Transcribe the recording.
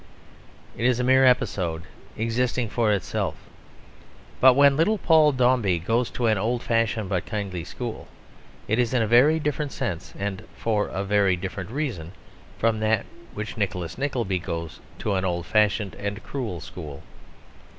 It is a mere episode, existing for itself. But when little Paul Dombey goes to an old fashioned but kindly school, it is in a very different sense and for a very different reason from that for which Nicholas Nickleby goes to an old fashioned and cruel school.